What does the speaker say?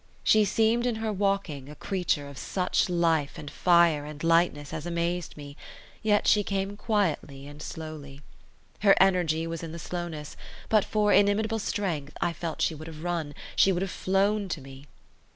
She seemed in her walking a creature of such life and fire and lightness as amazed me; yet she came quietly and slowly. Her energy was in the slowness; but for inimitable strength, I felt she would have run, she would have flown to me.